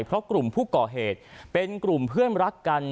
เพราะกลุ่มผู้ก่อเหตุเป็นกลุ่มเพื่อนรักกัน